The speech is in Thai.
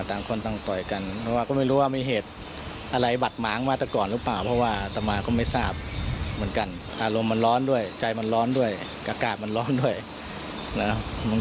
เธอแต่เพิ่งจะบวชท่านก็ต้องนั่งหลัง